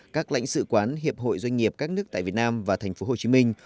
các lãnh sự quán hiệp hội doanh nghiệp các nước tại việt nam và thành phố hồ chí minh